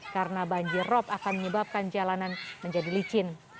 karena banjirom akan menyebabkan jalanan menjadi licin